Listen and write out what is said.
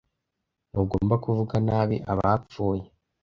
Ntugomba kuvuga nabi abapfuye.